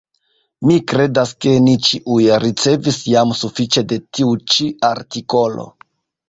Mi kredas, ke ni ĉiuj ricevis jam sufiĉe de tiu ĉi artikolo.